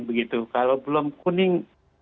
begitu kalau belum kuning